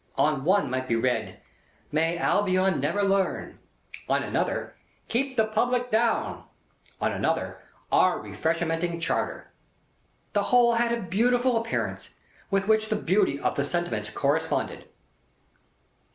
On one might be read, "MAY ALBION NEVER LEARN;" on another, "KEEP THE PUBLIC DOWN;" on another, "OUR REFRESHMENTING CHARTER." The whole had a beautiful appearance, with which the beauty of the sentiments corresponded.